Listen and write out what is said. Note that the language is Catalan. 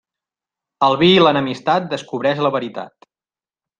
El vi i l'enemistat descobreix la veritat.